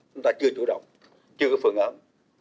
chúng ta chưa chủ động chưa có phương án